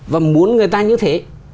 và muốn người ta như thế